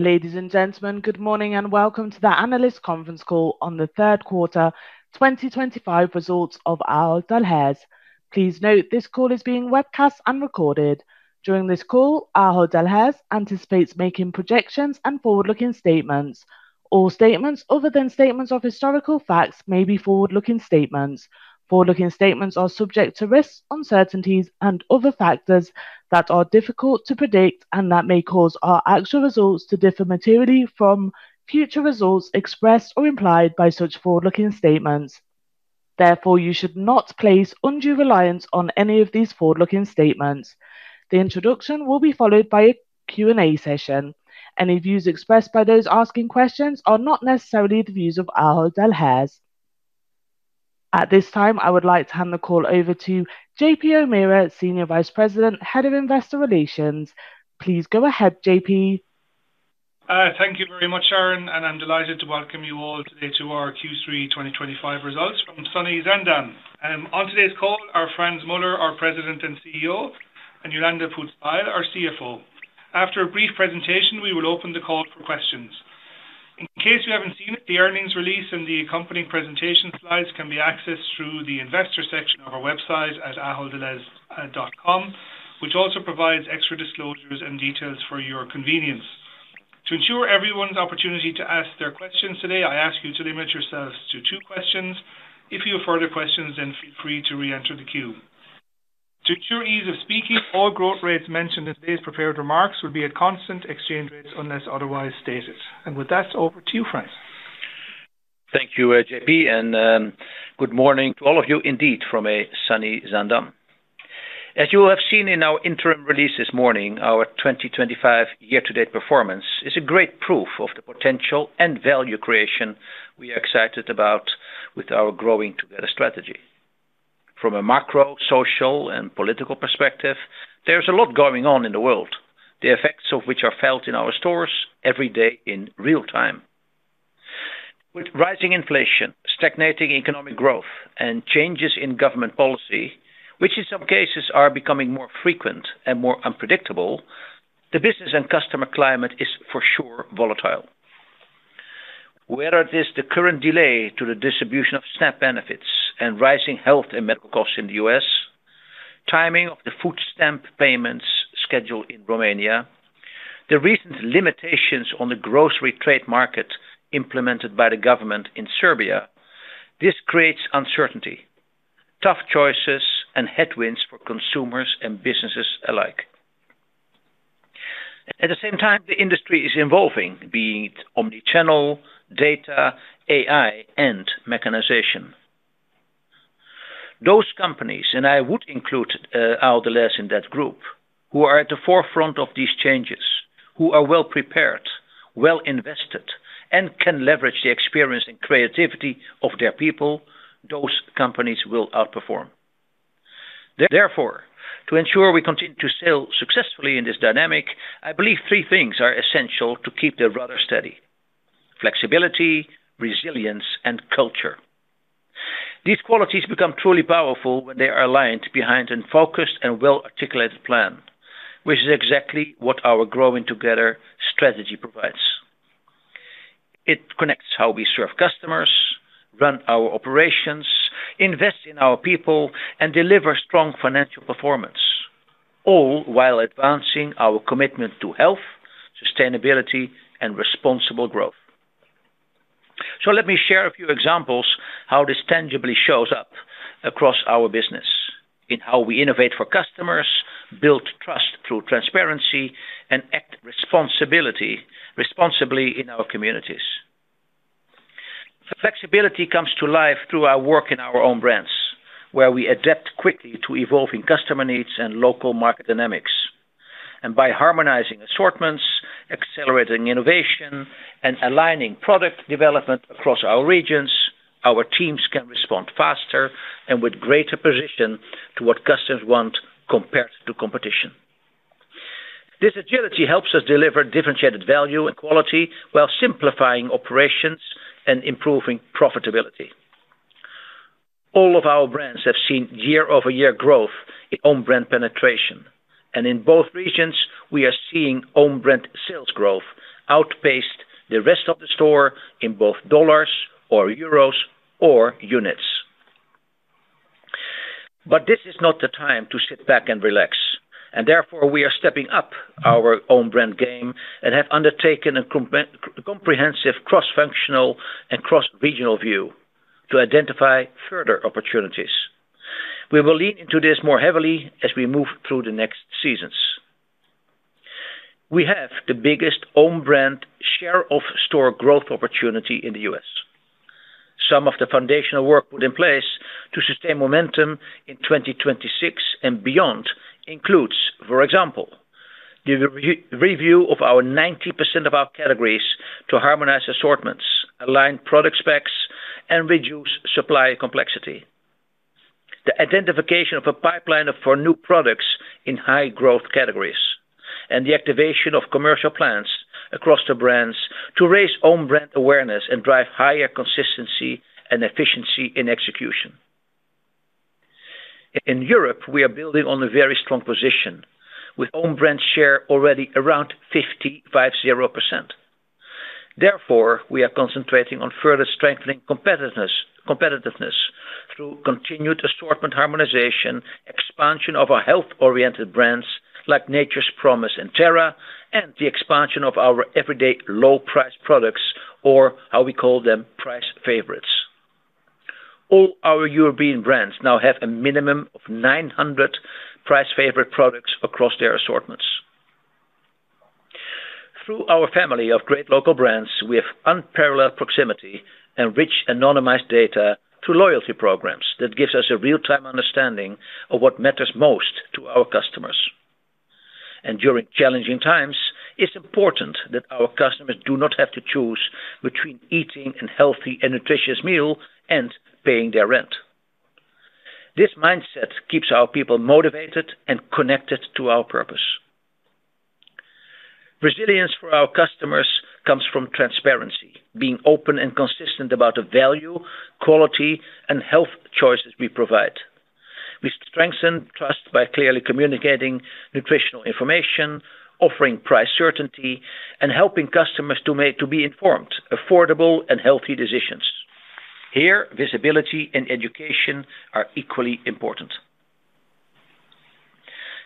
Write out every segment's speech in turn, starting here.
Ladies and gentlemen, good morning and welcome to the analyst conference call on the third quarter 2025 results of Ahold Delhaize. Please note this call is being webcast and recorded. During this call, Ahold Delhaize anticipates making projections and forward-looking statements. All statements other than statements of historical facts may be forward-looking statements. Forward-looking statements are subject to risks, uncertainties, and other factors that are difficult to predict and that may cause our actual results to differ materially from future results expressed or implied by such forward-looking statements. Therefore, you should not place undue reliance on any of these forward-looking statements. The introduction will be followed by a Q&A session. Any views expressed by those asking questions are not necessarily the views of Ahold Delhaize. At this time, I would like to hand the call over to J.P. O'Meara, Senior Vice President, Head of Investor Relations. Please go ahead, J.P. Thank you very much, Sharon, and I'm delighted to welcome you all today to our Q3 2025 results from sunny Zaandam. On today's call, our Frans Muller, our President and CEO, and Jolanda Poots-Bijl, our CFO. After a brief presentation, we will open the call for questions. In case you haven't seen it, the earnings release and the accompanying presentation slides can be accessed through the investor section of our website at aholddelhaize.com, which also provides extra disclosures and details for your convenience. To ensure everyone's opportunity to ask their questions today, I ask you to limit yourselves to two questions. If you have further questions, then feel free to re-enter the queue. To ensure ease of speaking, all growth rates mentioned in today's prepared remarks will be at constant exchange rates unless otherwise stated. With that, over to you, Frans. Thank you, JP, and good morning to all of you indeed from a sunny Zaandam. As you will have seen in our interim release this morning, our 2025 year-to-date performance is a great proof of the potential and value creation we are excited about with our Growing Together strategy. From a macro, social, and political perspective, there is a lot going on in the world, the effects of which are felt in our stores every day in real time. With rising inflation, stagnating economic growth, and changes in government policy, which in some cases are becoming more frequent and more unpredictable, the business and customer climate is for sure volatile. Whether it is the current delay to the distribution of SNAP benefits and rising health and medical costs in the U.S.. Timing of the food stamp payments schedule in Romania, the recent limitations on the grocery trade market implemented by the government in Serbia, this creates uncertainty, tough choices, and headwinds for consumers and businesses alike. At the same time, the industry is evolving, being omnichannel, data, AI, and mechanization. Those companies, and I would include Ahold Delhaize in that group, who are at the forefront of these changes, who are well-prepared, well-invested, and can leverage the experience and creativity of their people, those companies will outperform. Therefore, to ensure we continue to sail successfully in this dynamic, I believe three things are essential to keep the rudder steady: flexibility, resilience, and culture. These qualities become truly powerful when they are aligned behind a focused and well-articulated plan, which is exactly what our Growing Together strategy provides. It connects how we serve customers, run our operations, invest in our people, and deliver strong financial performance, all while advancing our commitment to health, sustainability, and responsible growth. Let me share a few examples of how this tangibly shows up across our business, in how we innovate for customers, build trust through transparency, and act responsibly in our communities. Flexibility comes to life through our work in our own brands, where we adapt quickly to evolving customer needs and local market dynamics. By harmonizing assortments, accelerating innovation, and aligning product development across our regions, our teams can respond faster and with greater precision to what customers want compared to competition. This agility helps us deliver differentiated value and quality while simplifying operations and improving profitability. All of our brands have seen year-over-year growth in own-brand penetration, and in both regions, we are seeing own-brand sales growth outpace the rest of the store in both dollars or euros or units. This is not the time to sit back and relax, and therefore we are stepping up our own-brand game and have undertaken a comprehensive cross-functional and cross-regional view to identify further opportunities. We will lean into this more heavily as we move through the next seasons. We have the biggest own-brand share of store growth opportunity in the U.S.. Some of the foundational work put in place to sustain momentum in 2026 and beyond includes, for example, the review of 90% of our categories to harmonize assortments, align product specs, and reduce supply complexity. The identification of a pipeline for new products in high-growth categories, and the activation of commercial plans across the brands to raise home brand awareness and drive higher consistency and efficiency in execution. In Europe, we are building on a very strong position, with home brand share already around 50%. Therefore, we are concentrating on further strengthening competitiveness through continued assortment harmonization, expansion of our health-oriented brands like Nature's Promise and Terra, and the expansion of our everyday low-priced products, or how we call them, price favorites. All our European brands now have a minimum of 900 price favorite products across their assortments. Through our family of great local brands, we have unparalleled proximity and rich anonymized data through loyalty programs that gives us a real-time understanding of what matters most to our customers. During challenging times, it's important that our customers do not have to choose between eating a healthy and nutritious meal and paying their rent. This mindset keeps our people motivated and connected to our purpose. Resilience for our customers comes from transparency, being open and consistent about the value, quality, and health choices we provide. We strengthen trust by clearly communicating nutritional information, offering price certainty, and helping customers to be informed of affordable and healthy decisions. Here, visibility and education are equally important.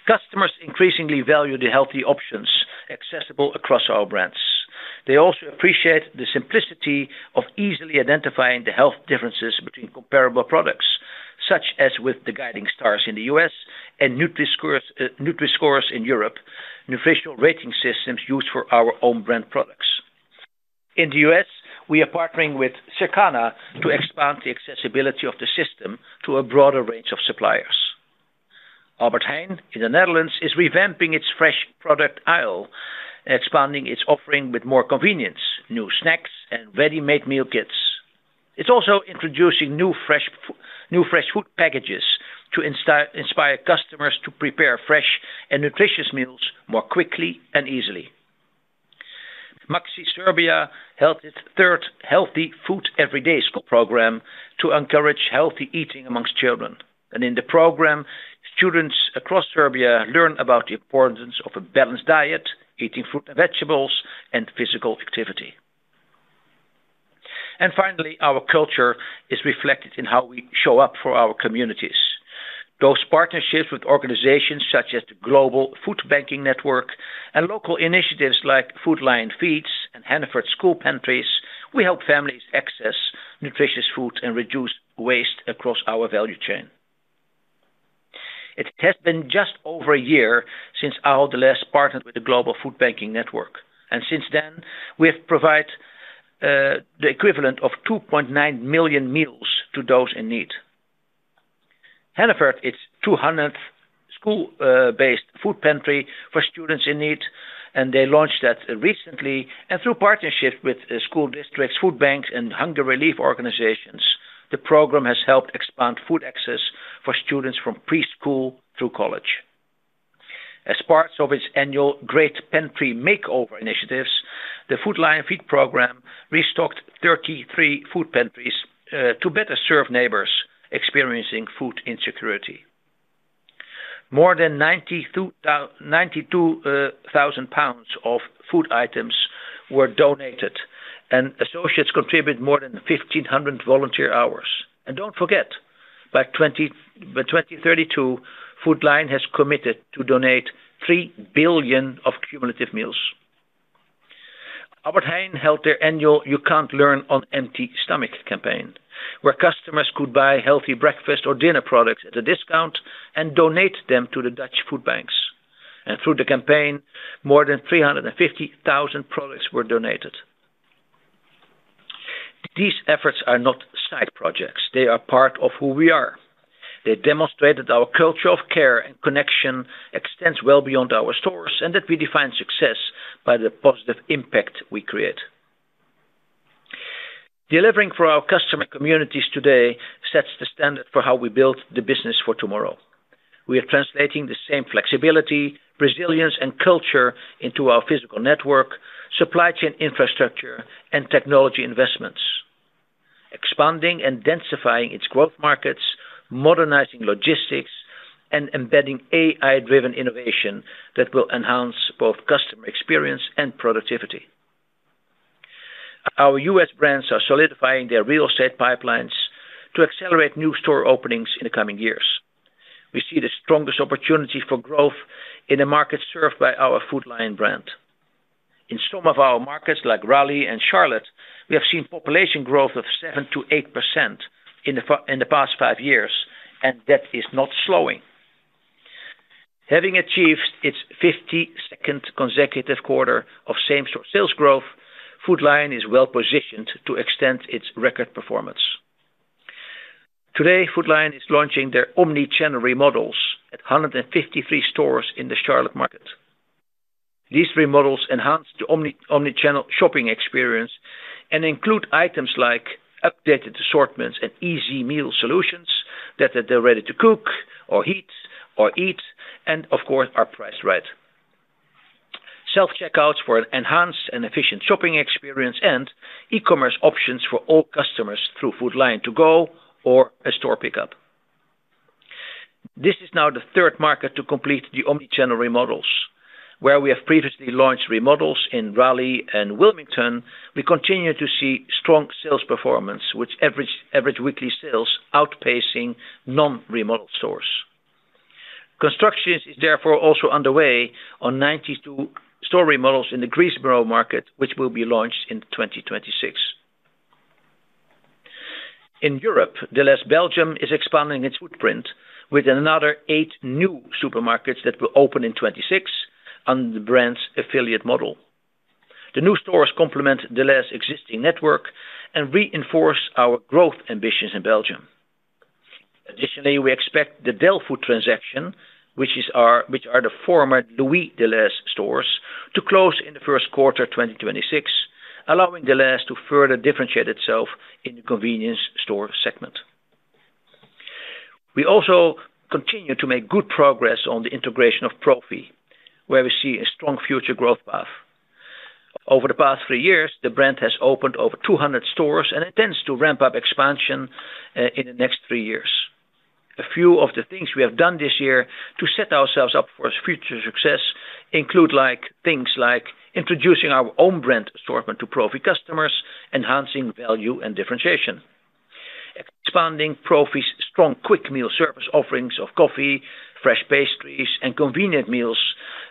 Customers increasingly value the healthy options accessible across our brands. They also appreciate the simplicity of easily identifying the health differences between comparable products, such as with the Guiding Stars in the U.S.. and Nutri-Score in Europe, nutritional rating systems used for our own brand products. In the U.S.., we are partnering with Circana to expand the accessibility of the system to a broader range of suppliers. Albert Heijn in the Netherlands is revamping its fresh product aisle, expanding its offering with more convenience, new snacks, and ready-made meal kits. It's also introducing new fresh food packages to inspire customers to prepare fresh and nutritious meals more quickly and easily. Maxi Serbia held its third Healthy Food Every Day School program to encourage healthy eating amongst children. In the program, students across Serbia learn about the importance of a balanced diet, eating fruit and vegetables, and physical activity. Our culture is reflected in how we show up for our communities. Those partnerships with organizations such as the Global Food Banking Network and local initiatives like Food Lion Feeds and Hannaford School Pantries, we help families access nutritious food and reduce waste across our value chain. It has been just over a year since Ahold Delhaize partnered with the Global Food Banking Network, and since then, we have provided the equivalent of 2.9 million meals to those in need. Hannaford, it's a 200th school-based food pantry for students in need, and they launched that recently. Through partnerships with school districts, food banks, and hunger relief organizations, the program has helped expand food access for students from preschool through college. As part of its annual Great Pantry Makeover initiatives, the Food Lion Feeds program restocked 33 food pantries to better serve neighbors experiencing food insecurity. More than 92,000 lbs of food items were donated, and associates contributed more than 1,500 volunteer hours. Do not forget, by 2032, Food Lion has committed to donate 3 billion cumulative meals. Albert Heijn held their annual "You Can't Learn on Empty Stomach" campaign, where customers could buy healthy breakfast or dinner products at a discount and donate them to the Dutch food banks. Through the campaign, more than 350,000 products were donated. These efforts are not side projects. They are part of who we are. They demonstrate that our culture of care and connection extends well beyond our stores and that we define success by the positive impact we create. Delivering for our customer communities today sets the standard for how we build the business for tomorrow. We are translating the same flexibility, resilience, and culture into our physical network, supply chain infrastructure, and technology investments. Expanding and densifying its growth markets, modernizing logistics, and embedding AI-driven innovation that will enhance both customer experience and productivity. Our U.S.. brands are solidifying their real estate pipelines to accelerate new store openings in the coming years. We see the strongest opportunity for growth in a market served by our Food Lion brand. In some of our markets like Raleigh and Charlotte, we have seen population growth of 7%-8% in the past five years, and that is not slowing. Having achieved its 52nd consecutive quarter of same-store sales growth, Food Lion is well-positioned to extend its record performance. Today, Food Lion is launching their omnichannel remodels at 153 stores in the Charlotte market. These remodels enhance the omnichannel shopping experience and include items like updated assortments and easy meal solutions that are ready to cook or heat or eat, and of course, are priced right. Self-checkouts for an enhanced and efficient shopping experience and e-commerce options for all customers through Food Lion To-go or a store pickup. This is now the third market to complete the omnichannel remodels. Where we have previously launched remodels in Raleigh and Wilmington, we continue to see strong sales performance, with average weekly sales outpacing non-remodel stores. Construction is therefore also underway on 92 store remodels in the Greensboro market, which will be launched in 2026. In Europe, Delhaize Belgium is expanding its footprint with another eight new supermarkets that will open in 2026 under the brand's affiliate model. The new stores complement Delhaize's existing network and reinforce our growth ambitions in Belgium. Additionally, we expect the Del Food transaction, which are the former Louis Delhaize stores, to close in the first quarter of 2026, allowing Delhaize to further differentiate itself in the convenience store segment. We also continue to make good progress on the integration of Profi, where we see a strong future growth path. Over the past three years, the brand has opened over 200 stores, and it tends to ramp up expansion in the next three years. A few of the things we have done this year to set ourselves up for future success include things like introducing our own brand assortment to Profi customers, enhancing value and differentiation. Expanding Profi's strong quick meal service offerings of coffee, fresh pastries, and convenient meals,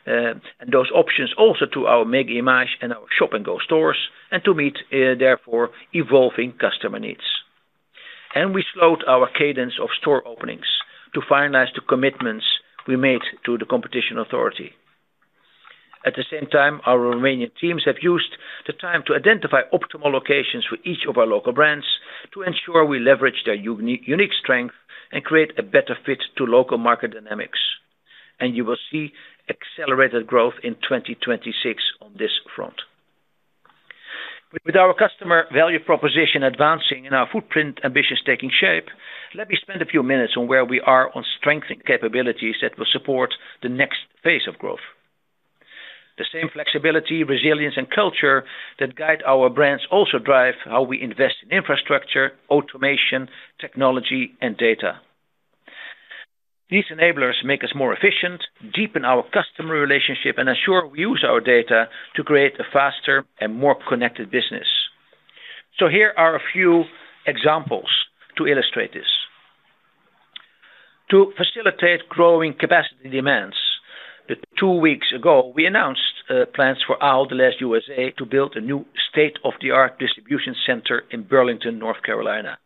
and those options also to our Mega Image and our Shop & Go stores, to meet, therefore, evolving customer needs. We slowed our cadence of store openings to finalize the commitments we made to the competition authority. At the same time, our Romanian teams have used the time to identify optimal locations for each of our local brands to ensure we leverage their unique strength and create a better fit to local market dynamics. You will see accelerated growth in 2026 on this front. With our customer value proposition advancing and our footprint ambitions taking shape, let me spend a few minutes on where we are on strengthening capabilities that will support the next phase of growth. The same flexibility, resilience, and culture that guide our brands also drive how we invest in infrastructure, automation, technology, and data. These enablers make us more efficient, deepen our customer relationship, and ensure we use our data to create a faster and more connected business. Here are a few examples to illustrate this. To facilitate growing capacity demands, two weeks ago, we announced plans for Ahold Delhaize USA to build a new state-of-the-art distribution center in Burlington, North Carolina.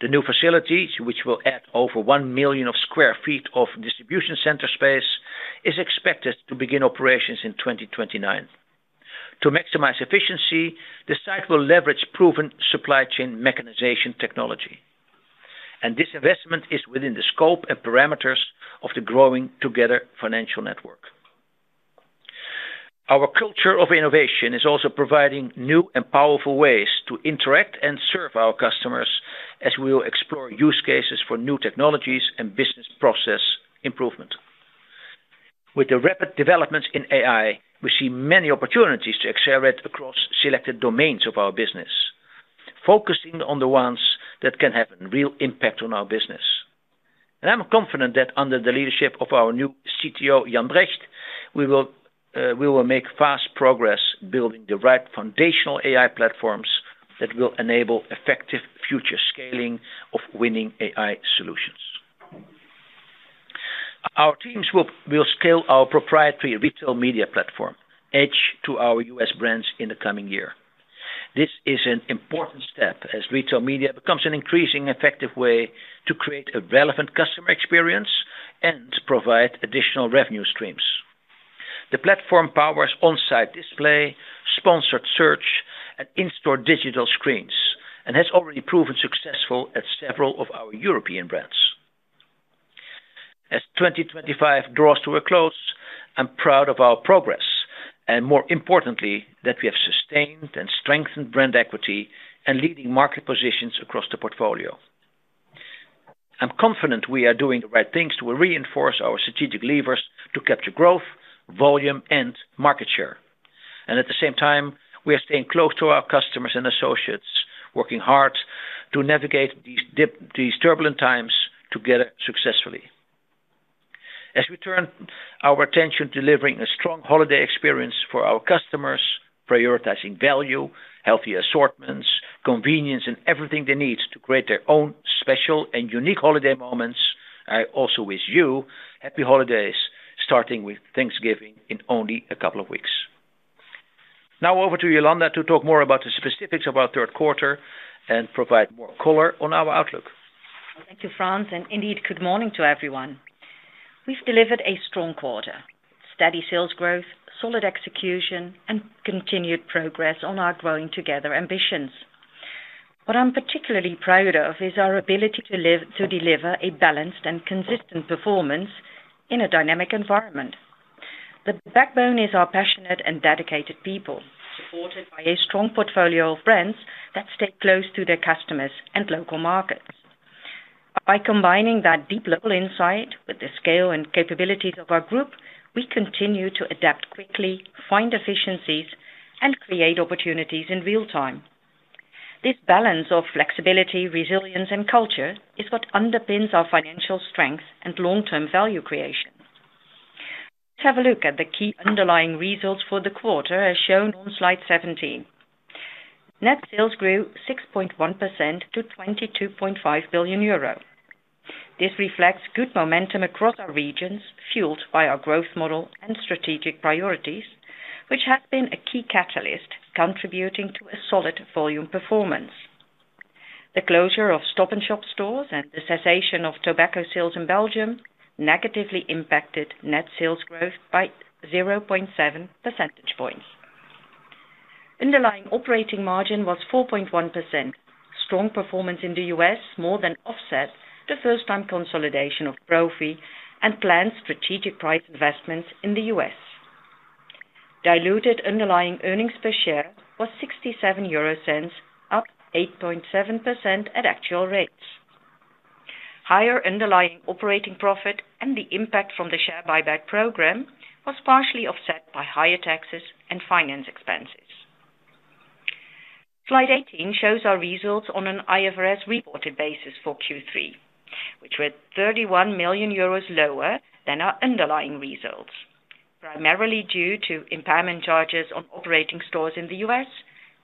The new facility, which will add over 1 million sq ft of distribution center space, is expected to begin operations in 2029. To maximize efficiency, the site will leverage proven supply chain mechanization technology. This investment is within the scope and parameters of the Growing Together Financial Network. Our culture of innovation is also providing new and powerful ways to interact and serve our customers as we will explore use cases for new technologies and business process improvement. With the rapid developments in AI, we see many opportunities to accelerate across selected domains of our business. Focusing on the ones that can have a real impact on our business. I'm confident that under the leadership of our new CTO, Jan Brecht, we will make fast progress building the right foundational AI platforms that will enable effective future scaling of winning AI solutions. Our teams will scale our proprietary retail media platform Edge to our U.S. brands in the coming year. This is an important step as retail media becomes an increasingly effective way to create a relevant customer experience and provide additional revenue streams. The platform powers on-site display, sponsored search, and in-store digital screens, and has already proven successful at several of our European brands. As 2025 draws to a close, I'm proud of our progress and, more importantly, that we have sustained and strengthened brand equity and leading market positions across the portfolio. I'm confident we are doing the right things to reinforce our strategic levers to capture growth, volume, and market share. At the same time, we are staying close to our customers and associates, working hard to navigate these turbulent times together successfully. As we turn our attention to delivering a strong holiday experience for our customers, prioritizing value, healthy assortments, convenience, and everything they need to create their own special and unique holiday moments, I also wish you happy holidays, starting with Thanksgiving in only a couple of weeks. Now over to Jolanda to talk more about the specifics of our third quarter and provide more color on our outlook. Thank you, Frans. Indeed, good morning to everyone. We have delivered a strong quarter, steady sales growth, solid execution, and continued progress on our Growing Together ambitions. What I am particularly proud of is our ability to deliver a balanced and consistent performance in a dynamic environment. The backbone is our passionate and dedicated people, supported by a strong portfolio of brands that stay close to their customers and local markets. By combining that deep local insight with the scale and capabilities of our group, we continue to adapt quickly, find efficiencies, and create opportunities in real time. This balance of flexibility, resilience, and culture is what underpins our financial strength and long-term value creation. Let's have a look at the key underlying results for the quarter, as shown on slide 17. Net sales grew 6.1% to 22.5 billion euro. This reflects good momentum across our regions, fueled by our growth model and strategic priorities, which has been a key catalyst, contributing to a solid volume performance. The closure of Stop & Shop stores and the cessation of tobacco sales in Belgium negatively impacted net sales growth by 0.7 percentage points. Underlying operating margin was 4.1%. Strong performance in the U.S. more than offset the first-time consolidation of Profi and planned strategic price investments in the U.S.. Diluted underlying earnings per share was 0.67, up 8.7% at actual rates. Higher underlying operating profit and the impact from the share buyback program was partially offset by higher taxes and finance expenses. Slide 18 shows our results on an IFRS-reported basis for Q3, which were 31 million euros lower than our underlying results, primarily due to impairment charges on operating stores in the U.S.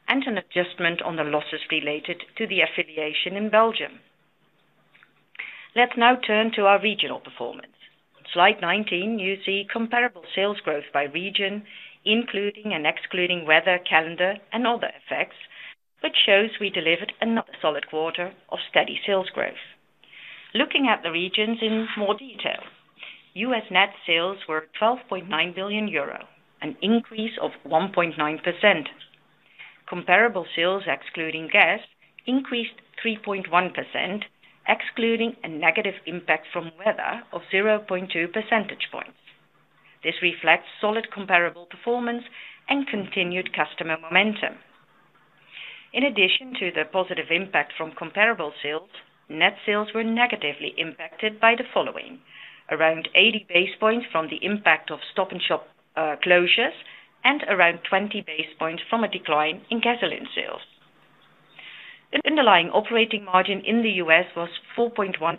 and an adjustment on the losses related to the affiliation in Belgium. Let's now turn to our regional performance. On slide 19, you see comparable sales growth by region, including and excluding weather, calendar, and other effects, which shows we delivered another solid quarter of steady sales growth. Looking at the regions in more detail, U.S. net sales were 12.9 billion euro, an increase of 1.9%. Comparable sales, excluding gas, increased 3.1%, excluding a negative impact from weather of 0.2 percentage points. This reflects solid comparable performance and continued customer momentum. In addition to the positive impact from comparable sales, net sales were negatively impacted by the following: around 80 basis points from the impact of Stop & Shop closures and around 20 basis points from a decline in gasoline sales. The underlying operating margin in the U.S. was 4.6%.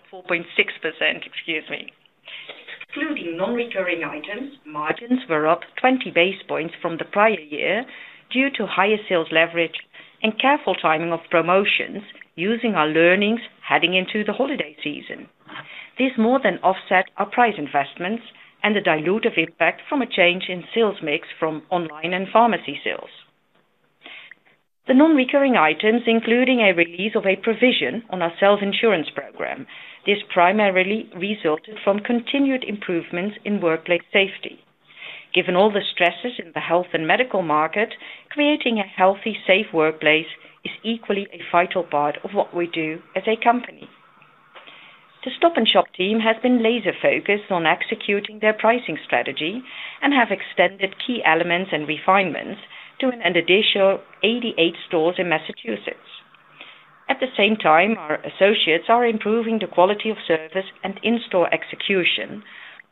Excluding non-recurring items, margins were up 20 basis points from the prior year due to higher sales leverage and careful timing of promotions using our learnings heading into the holiday season. This more than offset our price investments and the dilutive impact from a change in sales mix from online and pharmacy sales. The non-recurring items, including a release of a provision on our self-insurance program, this primarily resulted from continued improvements in workplace safety. Given all the stresses in the health and medical market, creating a healthy, safe workplace is equally a vital part of what we do as a company. The Stop & Shop team has been laser-focused on executing their pricing strategy and have extended key elements and refinements to an additional 88 stores in Massachusetts. At the same time, our associates are improving the quality of service and in-store execution,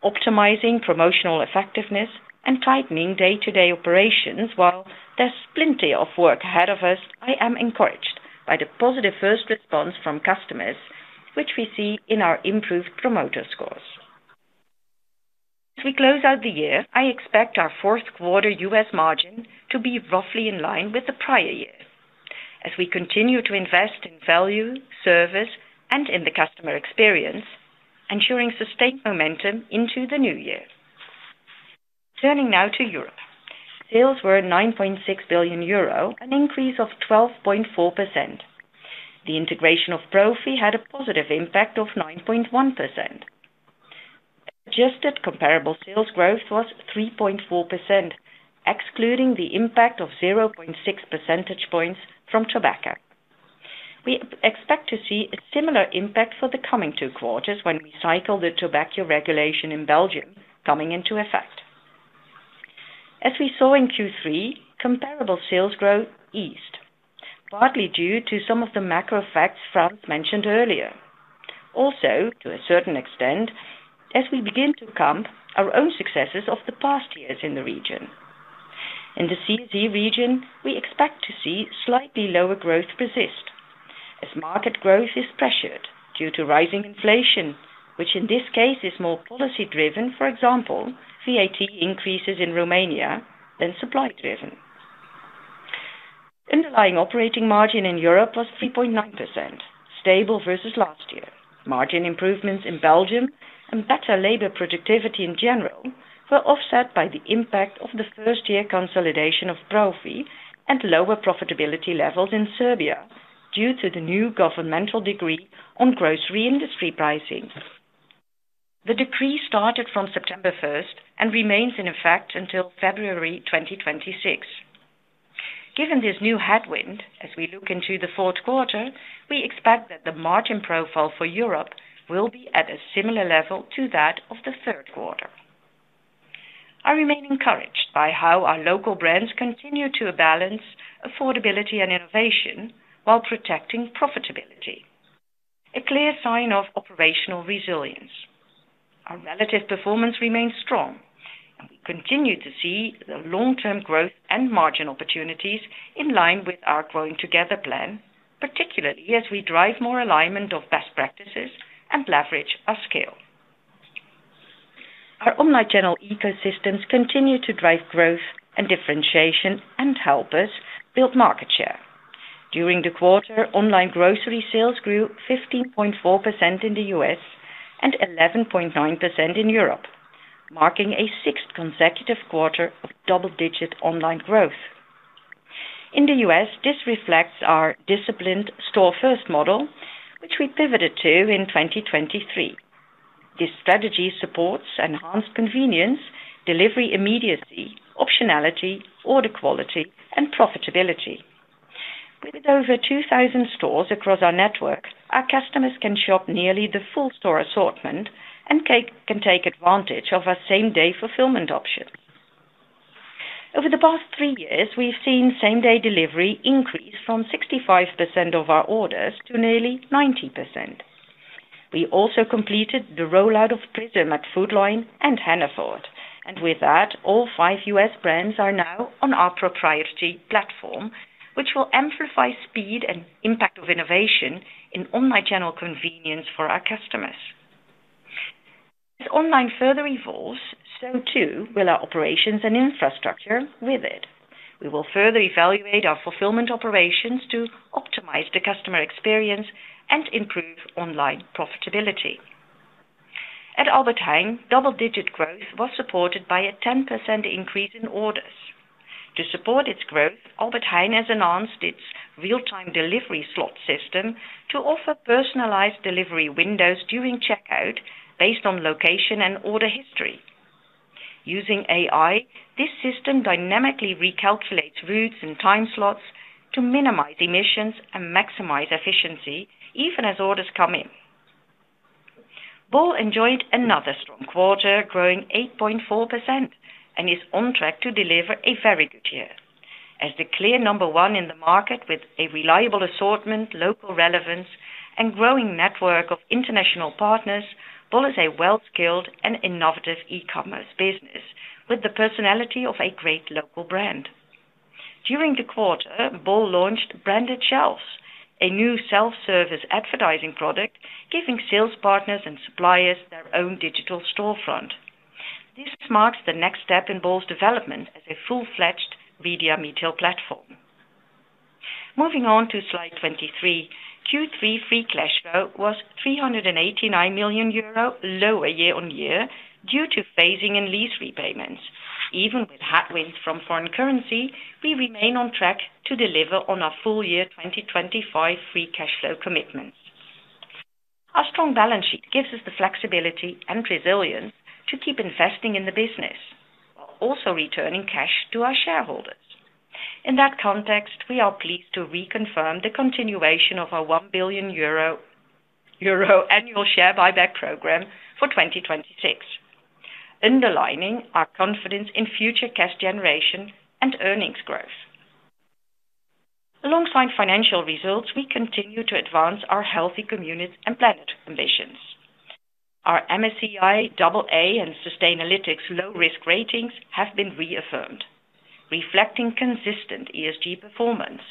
optimizing promotional effectiveness, and tightening day-to-day operations. While there's plenty of work ahead of us, I am encouraged by the positive first response from customers, which we see in our improved promoter scores. As we close out the year, I expect our fourth-quarter U.S. margin to be roughly in line with the prior year. As we continue to invest in value, service, and in the customer experience, ensuring sustained momentum into the new year. Turning now to Europe, sales were 9.6 billion euro, an increase of 12.4%. The integration of Profi had a positive impact of 9.1%. Adjusted comparable sales growth was 3.4%. Excluding the impact of 0.6 percentage points from tobacco. We expect to see a similar impact for the coming two quarters when we cycle the tobacco regulation in Belgium coming into effect. As we saw in Q3, comparable sales growth eased, partly due to some of the macro effects Frans mentioned earlier. Also, to a certain extent, as we begin to comp our own successes of the past years in the region. In the C.Z. region, we expect to see slightly lower growth persist as market growth is pressured due to rising inflation, which in this case is more policy-driven, for example, VAT increases in Romania, than supply-driven. Underlying operating margin in Europe was 3.9%, stable versus last year. Margin improvements in Belgium and better labor productivity in general were offset by the impact of the first-year consolidation of Profi and lower profitability levels in Serbia due to the new governmental decree on grocery industry pricing. The decree started from September 1 and remains in effect until February 2026. Given this new headwind, as we look into the fourth quarter, we expect that the margin profile for Europe will be at a similar level to that of the third quarter. I remain encouraged by how our local brands continue to balance affordability and innovation while protecting profitability. A clear sign of operational resilience. Our relative performance remains strong, and we continue to see the long-term growth and margin opportunities in line with our Growing Together plan, particularly as we drive more alignment of best practices and leverage our scale. Our online channel ecosystems continue to drive growth and differentiation and help us build market share. During the quarter, online grocery sales grew 15.4% in the U.S. and 11.9% in Europe, marking a sixth consecutive quarter of double-digit online growth. In the U.S., this reflects our disciplined store-first model, which we pivoted to in 2023. This strategy supports enhanced convenience, delivery immediacy, optionality, order quality, and profitability. With over 2,000 stores across our network, our customers can shop nearly the full store assortment and can take advantage of our same-day fulfillment option. Over the past three years, we've seen same-day delivery increase from 65% of our orders to nearly 90%. We also completed the rollout of Prism at Food Lion and Hannaford, and with that, all five U.S. brands are now on our proprietary platform, which will amplify speed and impact of innovation in online channel convenience for our customers. As online further evolves, so too will our operations and infrastructure with it. We will further evaluate our fulfillment operations to optimize the customer experience and improve online profitability. At Albert Heijn, double-digit growth was supported by a 10% increase in orders. To support its growth, Albert Heijn has announced its real-time delivery slot system to offer personalized delivery windows during checkout based on location and order history. Using AI, this system dynamically recalculates routes and time slots to minimize emissions and maximize efficiency, even as orders come in. Bol.com enjoyed another strong quarter, growing 8.4%, and is on track to deliver a very good year. As the clear number one in the market with a reliable assortment, local relevance, and growing network of international partners, Bol.com is a well-skilled and innovative e-commerce business with the personality of a great local brand. During the quarter, Bol.com launched Branded Shelves, a new self-service advertising product, giving sales partners and suppliers their own digital storefront. This marks the next step in Bol.com's development as a full-fledged retail media platform. Moving on to slide 23, Q3 free cash flow was 389 million euro lower year-on-year due to phasing and lease repayments. Even with headwinds from foreign currency, we remain on track to deliver on our full year 2025 free cash flow commitment. Our strong balance sheet gives us the flexibility and resilience to keep investing in the business while also returning cash to our shareholders. In that context, we are pleased to reconfirm the continuation of our 1 billion euro annual share buyback program for 2026, underlining our confidence in future cash generation and earnings growth. Alongside financial results, we continue to advance our healthy community and planet ambitions. Our MSCI AA and Sustainalytics low-risk ratings have been reaffirmed, reflecting consistent ESG performance.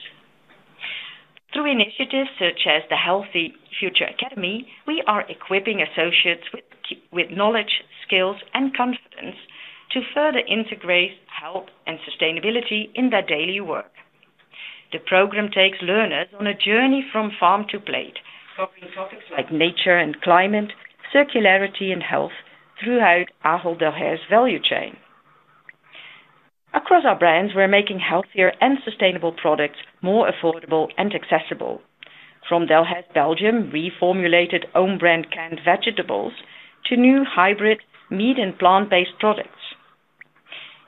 Through initiatives such as the Healthy Future Academy, we are equipping associates with knowledge, skills, and confidence to further integrate health and sustainability in their daily work. The program takes learners on a journey from farm to plate, covering topics like nature and climate, circularity, and health throughout our whole Delhaize value chain. Across our brands, we're making healthier and sustainable products more affordable and accessible, from Delhaize Belgium reformulated own-brand canned vegetables to new hybrid meat and plant-based products.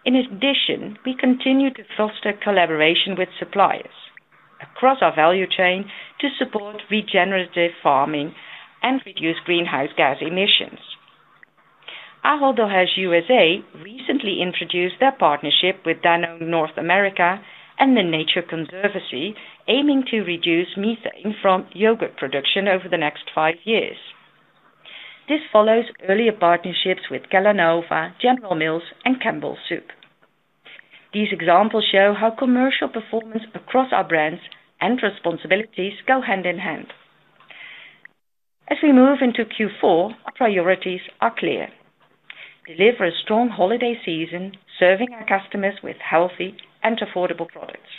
In addition, we continue to foster collaboration with suppliers across our value chain to support regenerative farming and reduce greenhouse gas emissions. Our whole Delhaize USA recently introduced their partnership with Danone North America and The Nature Conservancy, aiming to reduce methane from yogurt production over the next five years. This follows earlier partnerships with Kellanova, General Mills, and Campbell Soup. These examples show how commercial performance across our brands and responsibilities go hand in hand. As we move into Q4, our priorities are clear. Deliver a strong holiday season, serving our customers with healthy and affordable products.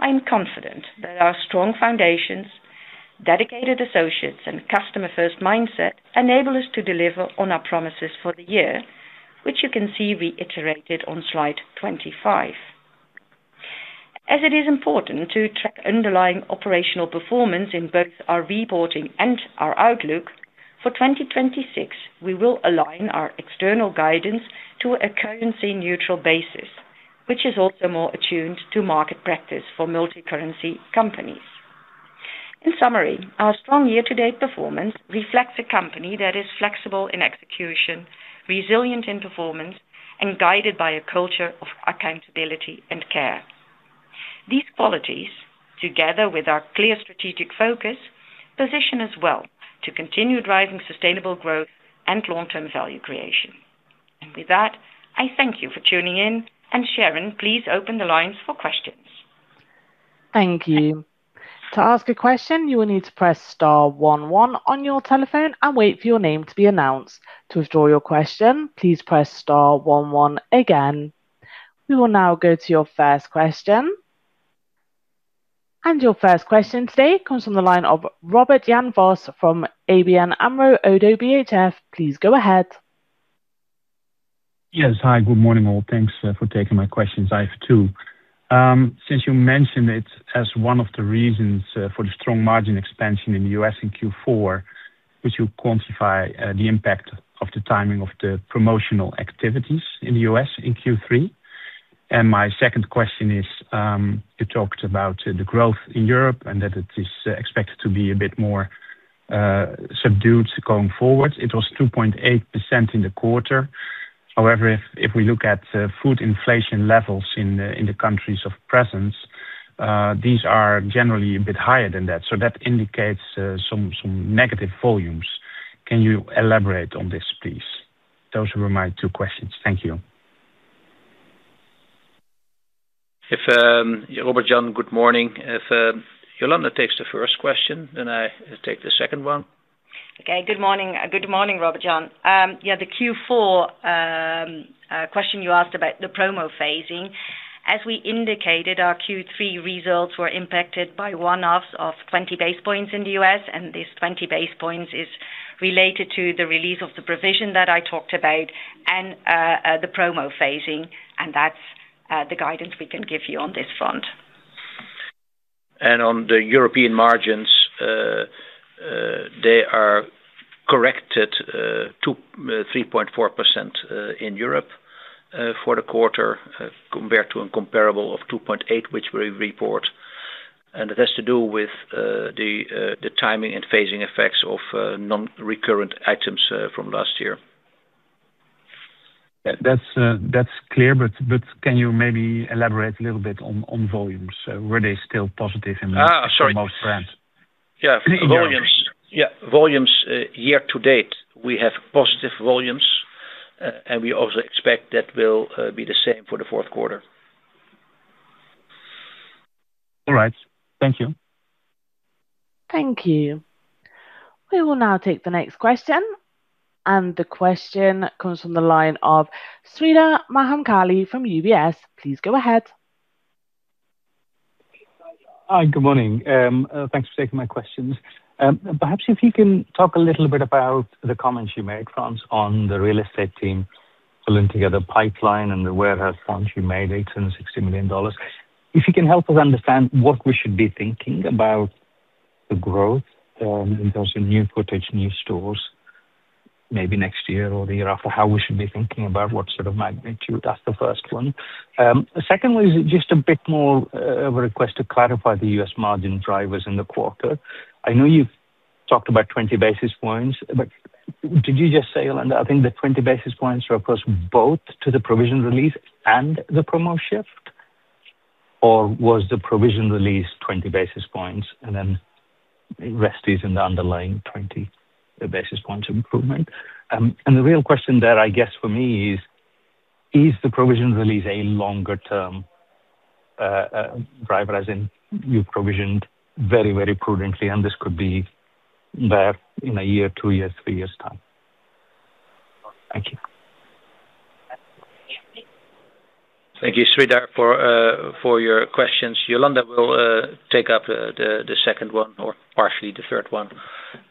I am confident that our strong foundations, dedicated associates, and customer-first mindset enable us to deliver on our promises for the year, which you can see reiterated on slide 25. As it is important to track underlying operational performance in both our reporting and our outlook, for 2026, we will align our external guidance to a currency-neutral basis, which is also more attuned to market practice for multicurrency companies. In summary, our strong year-to-date performance reflects a company that is flexible in execution, resilient in performance, and guided by a culture of accountability and care. These qualities, together with our clear strategic focus, position us well to continue driving sustainable growth and long-term value creation. I thank you for tuning in, and Sharon, please open the lines for questions. Thank you. To ask a question, you will need to press star one one on your telephone and wait for your name to be announced. To withdraw your question, please press star one one again. We will now go to your first question. Your first question today comes from the line of Robert Jan Vos from ABN AMRO ODDO BHF. Please go ahead. Yes, hi. Good morning, all. Thanks for taking my questions. I have two. Since you mentioned it as one of the reasons for the strong margin expansion in the U.S. in Q4, could you quantify the impact of the timing of the promotional activities in the U.S. in Q3? My second question is, you talked about the growth in Europe and that it is expected to be a bit more subdued going forward. It was 2.8% in the quarter. However, if we look at food inflation levels in the countries of presence, these are generally a bit higher than that. That indicates some negative volumes. Can you elaborate on this, please? Those were my two questions. Thank you. Robert Jan, good morning. If Jolanda takes the first question, then I take the second one. Okay. Good morning. Good morning, Robert Jan. Yeah, the Q4 question you asked about the promo phasing. As we indicated, our Q3 results were impacted by one-offs of 20 basis points in the U.S., and this 20 basis points is related to the release of the provision that I talked about and the promo phasing. That is the guidance we can give you on this front. On the European margins, they are corrected to 3.4% in Europe for the quarter compared to a comparable of 2.8%, which we report. It has to do with the timing and phasing effects of non-recurrent items from last year. That is clear, but can you maybe elaborate a little bit on volumes? Were they still positive in most brands? Yeah. Volumes, yeah. Volumes year to date, we have positive volumes, and we also expect that will be the same for the fourth quarter. All right. Thank you. Thank you. We will now take the next question. The question comes from the line of Sreedhar Mahamkali from UBS. Please go ahead. Hi. Good morning. Thanks for taking my questions. Perhaps if you can talk a little bit about the comments you made, Frans, on the real estate team pulling together pipeline and the warehouse funds you made, $860 million. If you can help us understand what we should be thinking about. The growth in terms of new footage, new stores. Maybe next year or the year after, how we should be thinking about what sort of magnitude. That's the first one. Second was just a bit more of a request to clarify the U.S. margin drivers in the quarter. I know you've talked about 20 basis points, but did you just say, Jolanda, I think the 20 basis points are across both to the provision release and the promo shift? Or was the provision release 20 basis points and then the rest is in the underlying 20 basis points improvement? The real question there, I guess, for me is, is the provision release a longer-term driver, as in you provisioned very, very prudently, and this could be there in a year, two years, three years' time? Thank you. Thank you, Sreedhar, for your questions. Jolanda will take up the second one or partially the third one.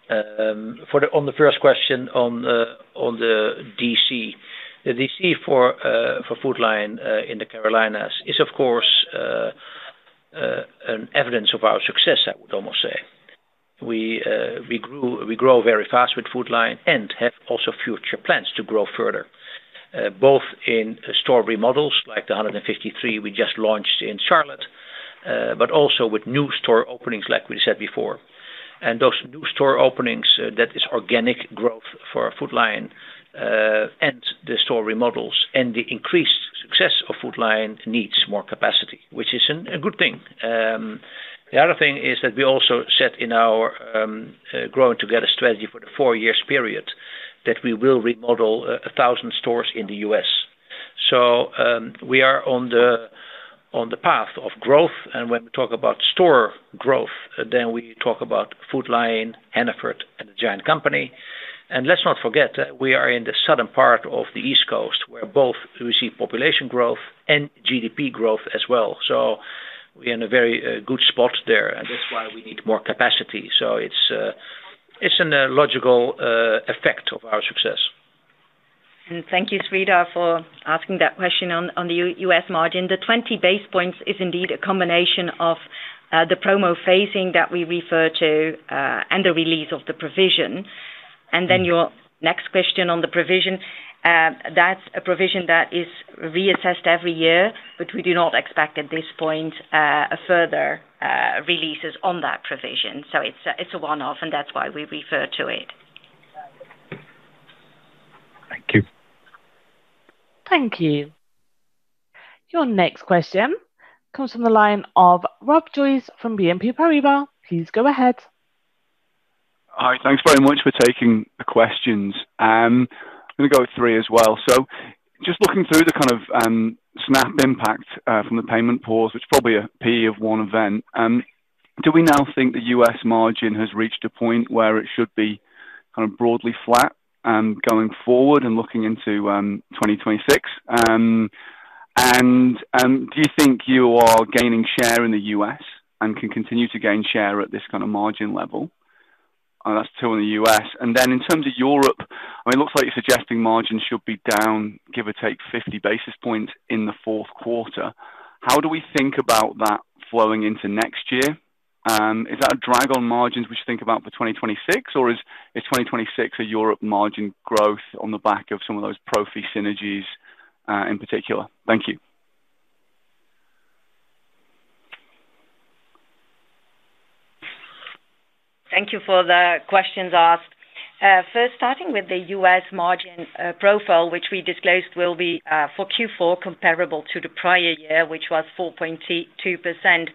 On the first question on the DC, the DC for Food Lion in the Carolinas is, of course, an evidence of our success, I would almost say. We grow very fast with Food Lion and have also future plans to grow further, both in store remodels like the 153 we just launched in Charlotte, but also with new store openings, like we said before. Those new store openings, that is organic growth for Food Lion. The store remodels and the increased success of Food Lion need more capacity, which is a good thing. The other thing is that we also set in our Growing Together strategy for the four-year period that we will remodel 1,000 stores in the U.S.. We are on the path of growth. When we talk about store growth, we talk about Food Lion, Hannaford, and The Giant Company. Let's not forget that we are in the southern part of the East Coast where we see both population growth and GDP growth as well. We are in a very good spot there, and that is why we need more capacity. It is a logical effect of our success. Thank you, Sreedha, for asking that question on the U.S. margin. The 20 basis points is indeed a combination of the promo phasing that we refer to. The release of the provision. Your next question on the provision. That is a provision that is reassessed every year, but we do not expect at this point further releases on that provision. It is a one-off, and that is why we refer to it. Thank you. Thank you. Your next question comes from the line of Rob Joyce from BNP Paribas. Please go ahead. Hi. Thanks very much for taking the questions. I am going to go through as well. Just looking through the kind of SNAP impact from the payment pause, which is probably a P of one event. Do we now think the U.S. margin has reached a point where it should be kind of broadly flat going forward and looking into 2026? Do you think you are gaining share in the U.S. and can continue to gain share at this kind of margin level? That's two in the U.S.. In terms of Europe, I mean, it looks like you're suggesting margins should be down, give or take, 50 basis points in the fourth quarter. How do we think about that flowing into next year? Is that a drag on margins we should think about for 2026, or is 2026 a Europe margin growth on the back of some of those Profi synergies in particular? Thank you. Thank you for the questions asked. First, starting with the U.S. margin profile, which we disclosed will be for Q4 comparable to the prior year, which was 4.2%.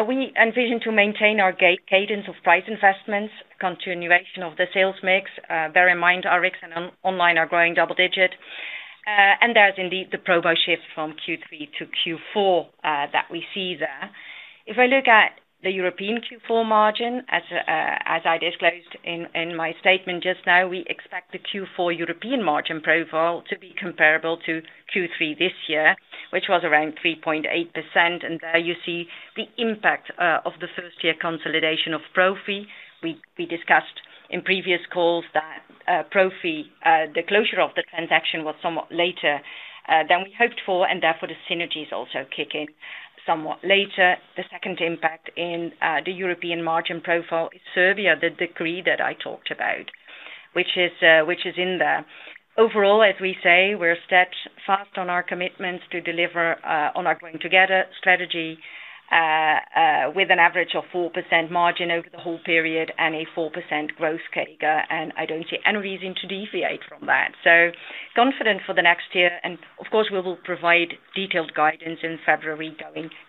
We envision to maintain our cadence of price investments, continuation of the sales mix. Bear in mind, our excellent online are growing double-digit. There is indeed the promo shift from Q3 to Q4 that we see there. If I look at the European Q4 margin, as I disclosed in my statement just now, we expect the Q4 European margin profile to be comparable to Q3 this year, which was around 3.8%. There you see the impact of the first-year consolidation of Profi. We discussed in previous calls that Profi, the closure of the transaction, was somewhat later than we hoped for, and therefore the synergies also kick in somewhat later. The second impact in the European margin profile is Serbia, the degree that I talked about, which is in there. Overall, as we say, we're steadfast on our commitments to deliver on our Growing Together strategy, with an average of 4% margin over the whole period and a 4% growth figure. I do not see any reason to deviate from that. Confident for the next year. Of course, we will provide detailed guidance in February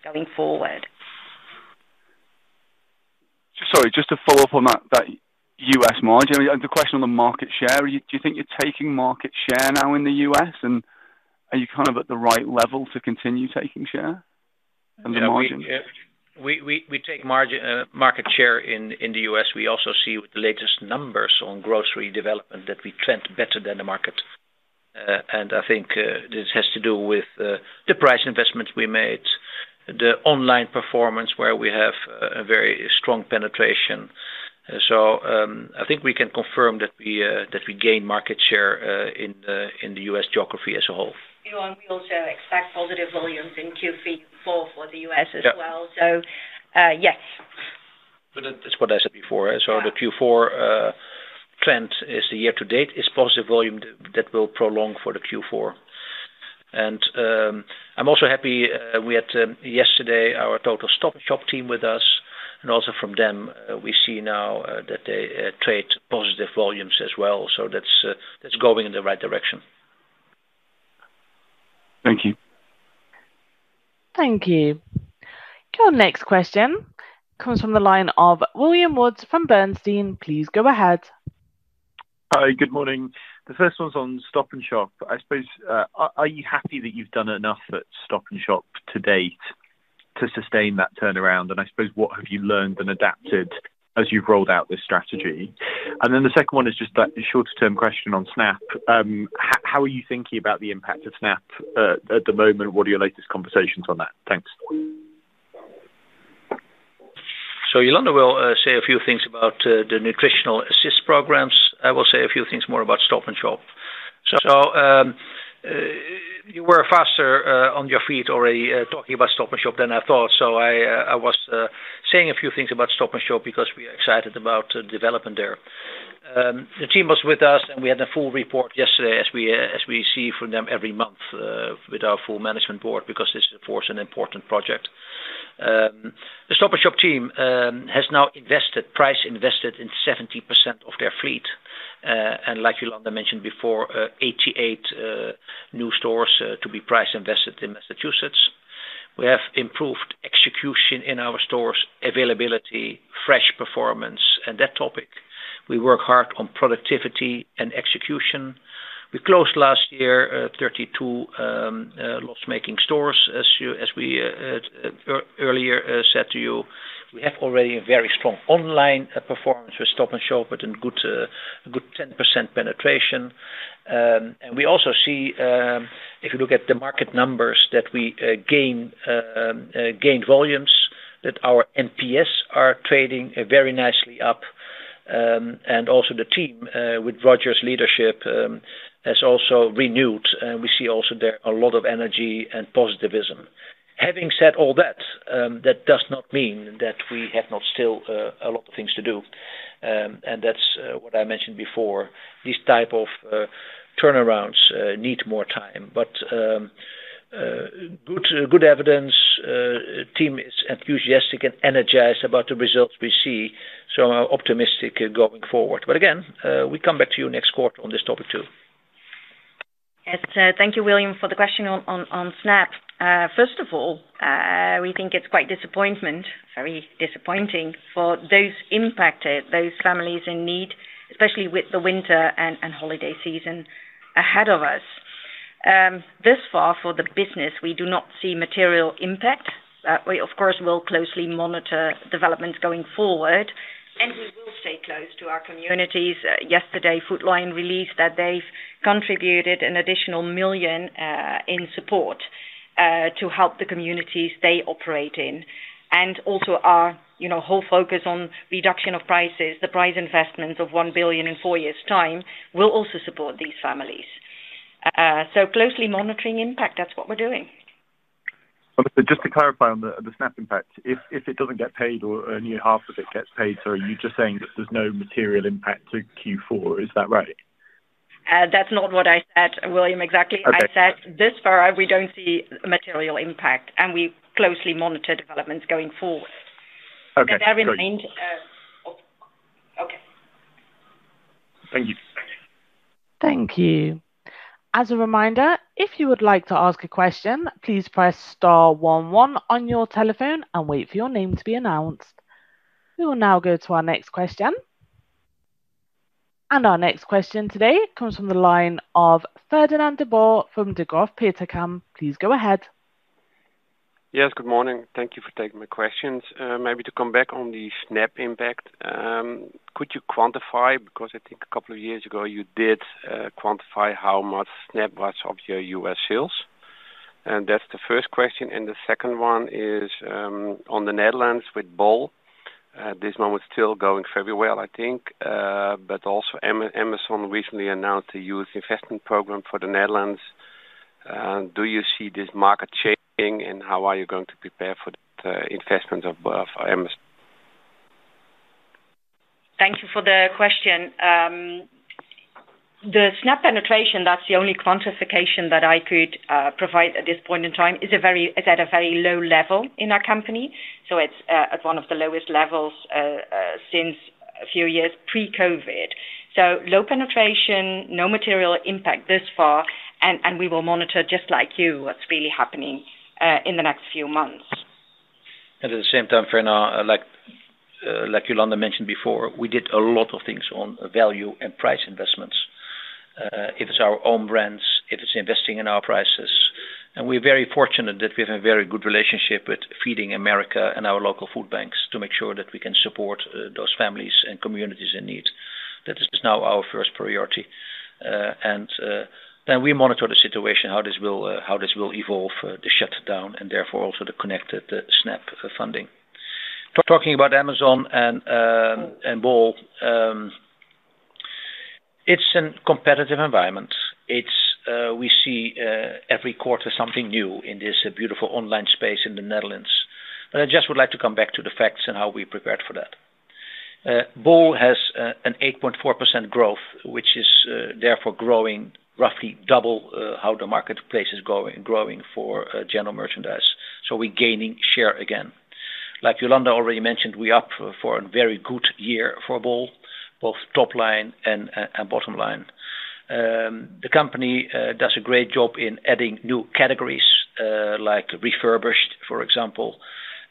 going forward. Sorry, just to follow up on that U.S. margin, the question on the market share, do you think you're taking market share now in the U.S., and are you kind of at the right level to continue taking share in the margin? We take market share in the U.S. We also see the latest numbers on grocery development that we trend better than the market. I think this has to do with the price investments we made, the online performance where we have a very strong penetration. I think we can confirm that we gain market share in the U.S. geography as a whole. We also expect positive volumes in Q4 for the U.S. as well. Yes. That's what I said before. The Q4. Trend is the year-to-date is positive volume that will prolong for the Q4. I'm also happy we had yesterday our total Stop & Shop team with us. Also from them, we see now that they trade positive volumes as well. That's going in the right direction. Thank you. Thank you. Your next question comes from the line of William Woods from Bernstein. Please go ahead. Hi. Good morning. The first one's on Stop & Shop. I suppose, are you happy that you've done enough at Stop & Shop to date to sustain that turnaround? I suppose, what have you learned and adapted as you've rolled out this strategy? The second one is just a shorter-term question on SNAP. How are you thinking about the impact of SNAP at the moment? What are your latest conversations on that? Thanks. Jolanda will say a few things about the nutritional assist programs. I will say a few things more about Stop & Shop. You were faster on your feet already talking about Stop & Shop than I thought. I was saying a few things about Stop & Shop because we are excited about the development there. The team was with us, and we had a full report yesterday, as we see from them every month with our full Management Board because this is, of course, an important project. The Stop & Shop team has now price invested in 70% of their fleet. Like Jolanda mentioned before, 88 new stores to be price invested in Massachusetts. We have improved execution in our stores, availability, fresh performance, and that topic. We work hard on productivity and execution. We closed last year 32 loss-making stores, as we earlier said to you. We have already a very strong online performance with Stop & Shop, in good 10% penetration. We also see, if you look at the market numbers, that we gain volumes, that our NPS are trading very nicely up. The team, with Roger's leadership, has also renewed, and we see there a lot of energy and positivism. Having said all that, that does not mean that we do not still have a lot of things to do. That is what I mentioned before. These types of turnarounds need more time. Good evidence, the team is enthusiastic and energized about the results we see. Optimistic going forward. Again, we come back to you next quarter on this topic too. Yes. Thank you, William, for the question on SNAP. First of all, we think it is quite disappointing for those impacted, those families in need, especially with the winter and holiday season ahead of us. This far, for the business, we do not see material impact. We, of course, will closely monitor developments going forward. We will stay close to our communities. Yesterday, Food Lion released that they have contributed an additional $1 million in support to help the communities they operate in. Also, our whole focus on reduction of prices, the price investments of $1 billion in four years' time, will also support these families. Closely monitoring impact, that is what we are doing. Just to clarify on the SNAP impact, if it does not get paid or only half of it gets paid, you are just saying that there is no material impact to Q4. Is that right? That is not what I said, William, exactly. I said this far, we do not see material impact, and we closely monitor developments going forward. Okay. Thank you. Thank you. As a reminder, if you would like to ask a question, please press star one one on your telephone and wait for your name to be announced. We will now go to our next question. Our next question today comes from the line of Fernand de Boer from Degroof Petercam. Please go ahead. Yes. Good morning. Thank you for taking my questions. Maybe to come back on the SNAP impact, could you quantify? Because I think a couple of years ago, you did quantify how much SNAP was of your U.S. sales. That is the first question. The second one is on the Netherlands with bol.com. This one was still going very well, I think. Also, Amazon recently announced a youth investment program for the Netherlands. Do you see this market shaping, and how are you going to prepare for the investment of Amazon? Thank you for the question. The SNAP penetration, that's the only quantification that I could provide at this point in time, is at a very low level in our company. It is at one of the lowest levels since a few years pre-COVID. Low penetration, no material impact this far, and we will monitor just like you what's really happening in the next few months. At the same time, Fernando, like Jolanda mentioned before, we did a lot of things on value and price investments. If it's our own brands, if it's investing in our prices. We are very fortunate that we have a very good relationship with Feeding America and our local food banks to make sure that we can support those families and communities in need. That is now our first priority. We monitor the situation, how this will evolve, the shutdown, and therefore also the connected SNAP funding. Talking about Amazon and bol.com. It's a competitive environment. We see every quarter something new in this beautiful online space in the Netherlands. I just would like to come back to the facts and how we prepared for that. Bol.com has an 8.4% growth, which is therefore growing roughly double how the marketplace is growing for general merchandise. We are gaining share again. Like Jolanda already mentioned, we opt for a very good year for bol.com, both top line and bottom line. The company does a great job in adding new categories like refurbished, for example.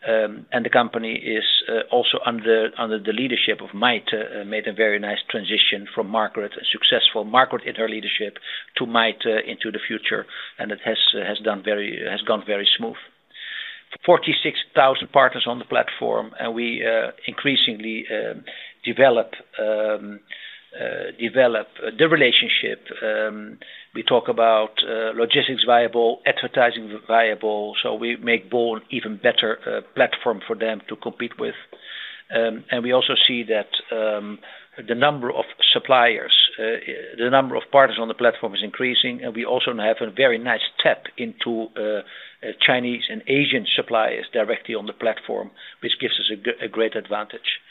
The company is also under the leadership of Maite. Made a very nice transition from Margaret, a successful Margaret in her leadership, to Maite into the future. It has gone very smooth. 46,000 partners on the platform, and we increasingly develop the relationship. We talk about logistics viable, advertising viable. We make bol.com an even better platform for them to compete with. We also see that the number of suppliers, the number of partners on the platform is increasing. We also have a very nice tap into Chinese and Asian suppliers directly on the platform, which gives us a great advantage.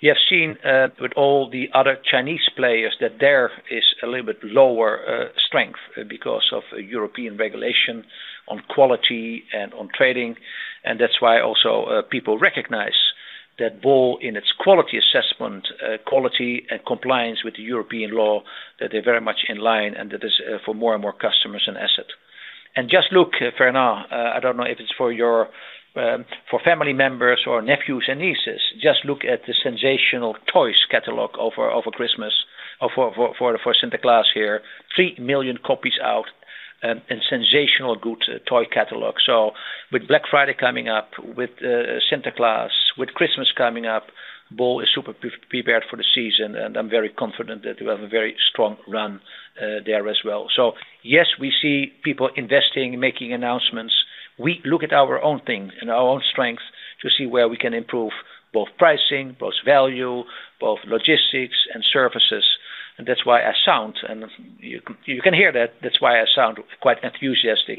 You have seen with all the other Chinese players that there is a little bit lower strength because of European regulation on quality and on trading. That is why also people recognize that bol.com, in its quality assessment, quality and compliance with European law, that they are very much in line and that is for more and more customers and assets. Just look, Fernando, I do not know if it is for your family members or nephews and nieces, just look at the sensational toys catalog over Christmas for Santa Claus here. 3 million copies out. Sensational good toy catalog. With Black Friday coming up, with Santa Claus, with Christmas coming up, bol.com is super prepared for the season. I'm very confident that we have a very strong run there as well. We see people investing, making announcements. We look at our own thing and our own strengths to see where we can improve both pricing, both value, both logistics and services. That's why I sound, and you can hear that, that's why I sound quite enthusiastic.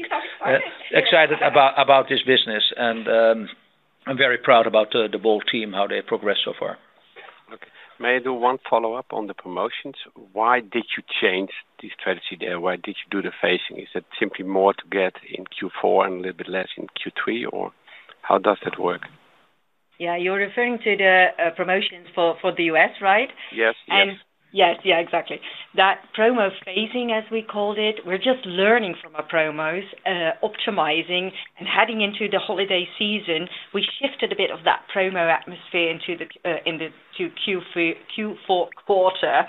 Excited about this business. I'm very proud about the bol.com team, how they progressed so far. Okay. May I do one follow-up on the promotions? Why did you change the strategy there? Why did you do the phasing? Is it simply more to get in Q4 and a little bit less in Q3, or how does that work? Yeah. You're referring to the promotions for the U.S., right? Yes. Yes. Yes. Yeah. Exactly. That promo phasing, as we called it, we're just learning from our promos, optimizing, and heading into the holiday season. We shifted a bit of that promo atmosphere into Q4 quarter.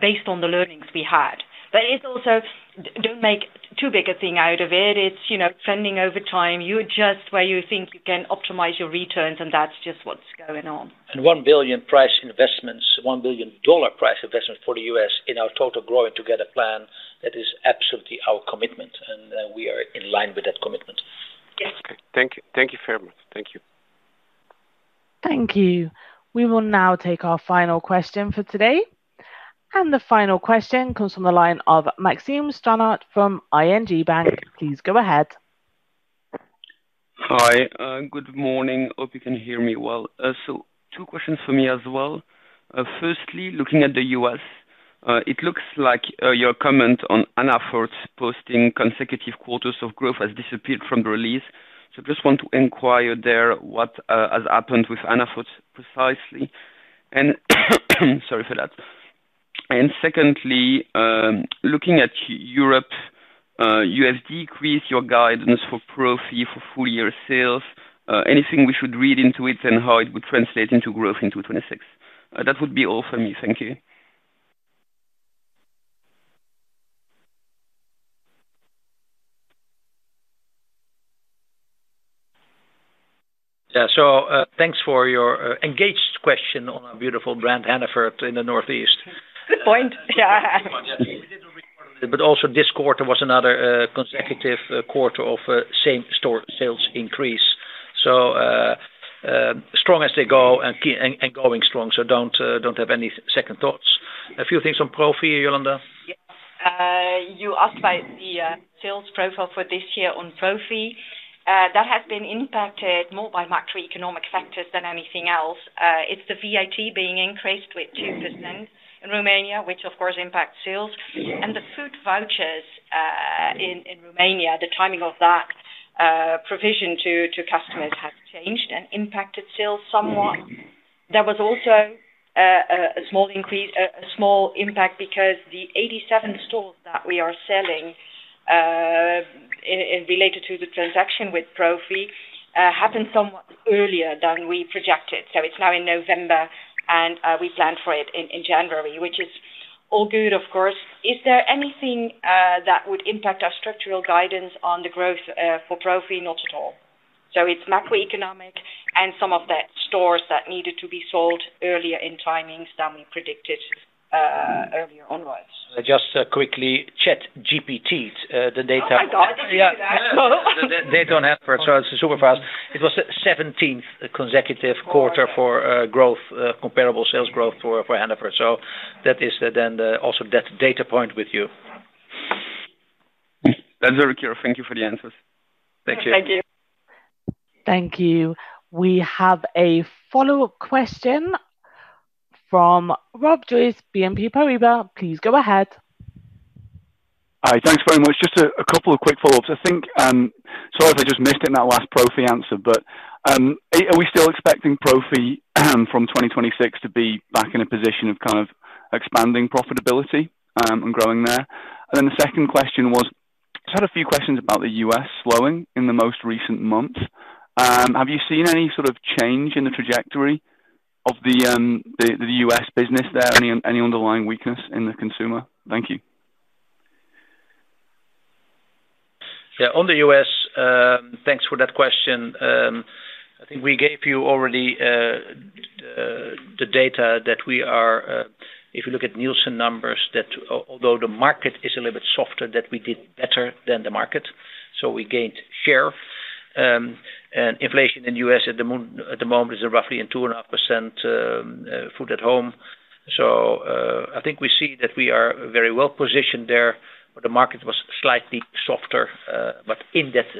Based on the learnings we had. It is also do not make too big a thing out of it. It is trending over time. You adjust where you think you can optimize your returns, and that is just what is going on. And $1 billion price investments, $1 billion price investments for the U.S. in our total Growing Together plan, that is absolutely our commitment. We are in line with that commitment. Yes. Okay. Thank you very much. Thank you. Thank you. We will now take our final question for today. The final question comes from the line of Maxime Stranart from ING Bank. Please go ahead. Hi. Good morning. Hope you can hear me well. Two questions for me as well. Firstly, looking at the U.S., it looks like your comment on Hannaford posting consecutive quarters of growth has disappeared from the release. I just want to inquire there what has happened with Hannaford precisely. Sorry for that. Secondly, looking at Europe, you have decreased your guidance for Profi for full-year sales. Anything we should read into it and how it would translate into growth in 2026? That would be all from me. Thank you. Yeah. Thanks for your engaged question on our beautiful brand, Hannaford, in the Northeast. Good point. Also, this quarter, there was another consecutive quarter of same-store sales increase. Strong as they go and going strong. Do not have any second thoughts. A few things on Profi, Jolanda. You asked about the sales profile for this year on Profi. That has been impacted more by macroeconomic factors than anything else. It's the VAT being increased with 2% in Romania, which of course impacts sales. And the food vouchers. In Romania, the timing of that provision to customers has changed and impacted sales somewhat. There was also a small impact because the 87 stores that we are selling related to the transaction with Profi happened somewhat earlier than we projected. So it's now in November, and we planned for it in January, which is all good, of course. Is there anything that would impact our structural guidance on the growth for Profi? Not at all. So it's macroeconomic and some of the stores that needed to be sold earlier in timings than we predicted earlier onwards. Just quickly, ChatGPT, the data. Oh, my God. Did you do that? No, no. Data on Hannaford. It is super fast. It was the 17th consecutive quarter for growth, comparable sales growth for Hannaford. That is then also that data point with you. That is very clear. Thank you for the answers. Thank you. Thank you. Thank you. We have a follow-up question from Rob Joyce, BNP Paribas. Please go ahead. Hi. Thanks very much. Just a couple of quick follow-ups. I think. Sorry if I just missed it in that last Profi answer, but are we still expecting Profi from 2026 to be back in a position of kind of expanding profitability and growing there? The second question was, just had a few questions about the U.S. slowing in the most recent months. Have you seen any sort of change in the trajectory of the U.S. business there? Any underlying weakness in the consumer? Thank you. Yeah. On the U.S., thanks for that question. I think we gave you already. The data that we are, if you look at Nielsen numbers, that although the market is a little bit softer, that we did better than the market. We gained share. Inflation in the U.S. at the moment is roughly 2.5%. Food at home. I think we see that we are very well positioned there. The market was slightly softer, but in that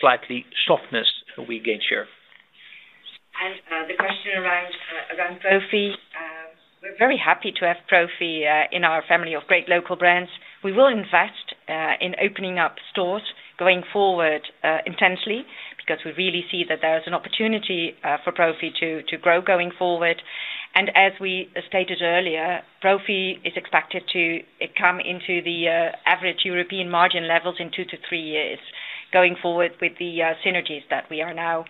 slightly softness, we gained share. The question around Profi. We're very happy to have Profi in our family of great local brands. We will invest in opening up stores going forward intensely because we really see that there is an opportunity for Profi to grow going forward. As we stated earlier, Profi is expected to come into the average European margin levels in two to three years going forward with the synergies that we are now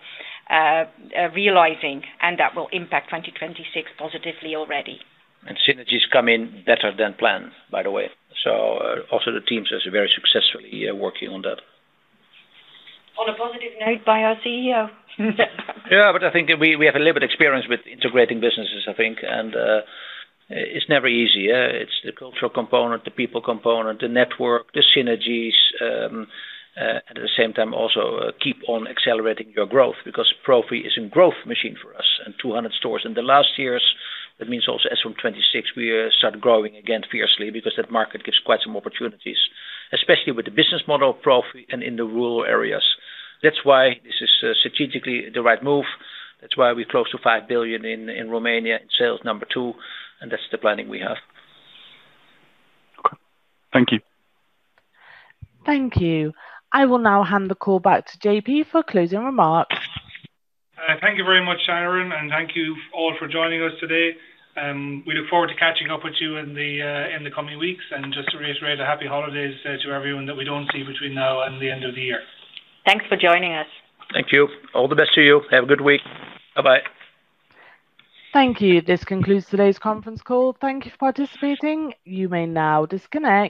realizing, and that will impact 2026 positively already. Synergies come in better than planned, by the way. The team is very successfully working on that. On a positive note by our CEO, I think we have a little bit of experience with integrating businesses. I think it's never easy. It's the cultural component, the people component, the network, the synergies. At the same time, also keep on accelerating your growth because Profi is a growth machine for us and 200 stores. In the last years, that means also as from 2026, we started growing again fiercely because that market gives quite some opportunities, especially with the business model of Profi and in the rural areas. That is why this is strategically the right move. That is why we are close to 5 billion in Romania in sales, number two. And that is the planning we have. Okay. Thank you. Thank you. I will now hand the call back to J.P. for closing remarks. Thank you very much, Sharon. And thank you all for joining us today. We look forward to catching up with you in the coming weeks. And just to reiterate, happy holidays to everyone that we do not see between now and the end of the year. Thanks for joining us. Thank you. All the best to you. Have a good week. Bye-bye. Thank you. This concludes today's conference call. Thank you for participating. You may now disconnect.